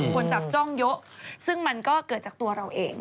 คนจับจ้องเยอะซึ่งมันก็เกิดจากตัวเราเอง